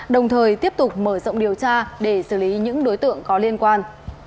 đồng thời tiếp tục mở rộng điều tra để xử lý những đối tượng có liên quan